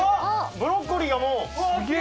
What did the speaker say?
ブロッコリーがもう・すげえ！